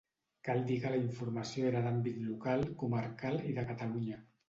Cal dir que la informació era d'àmbit local, comarcal i de Catalunya.